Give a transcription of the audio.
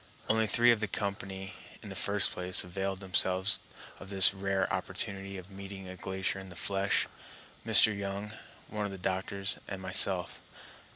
Only three of the company, in the first place, availed themselves of this rare opportunity of meeting a glacier in the flesh,—Mr. Young, one of the doctors, and myself.